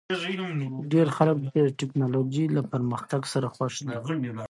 ډېر خلک د ټکنالوژۍ له پرمختګ سره خوښ دي.